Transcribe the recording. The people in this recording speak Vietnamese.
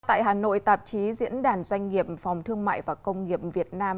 tại hà nội tạp chí diễn đàn doanh nghiệp phòng thương mại và công nghiệp việt nam